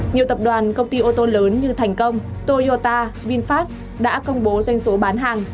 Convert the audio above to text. nhiều tập đoàn công ty ô tô lớn như thành công toyota vinfast đã công bố doanh số bán hàng